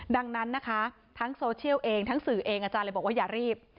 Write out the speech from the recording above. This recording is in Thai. ดังนั้นนะคะทั้งโซเชียลเองทั้งสื่อเองอาจารย์เลยบอกว่าอย่ารีบ